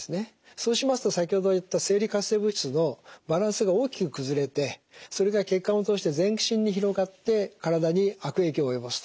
そうしますと先ほど言った生理活性物質のバランスが大きく崩れてそれが血管を通して全身に広がって体に悪影響を及ぼすと。